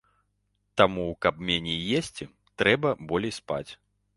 Таму, каб меней есці, трэба болей спаць.